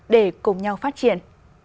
để cùng nhau phát triển